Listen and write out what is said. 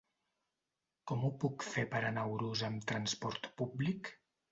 Com ho puc fer per anar a Urús amb trasport públic?